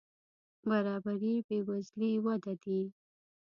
برابري بې وزلي وده دي.